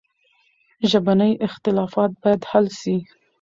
ژبني اختلافات باید حل سي.